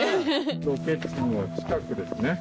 ロケ地の近くですね。